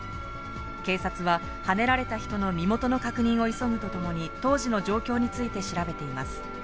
警察は、はねられた人の身元の確認を急ぐとともに、当時の状況について調べています。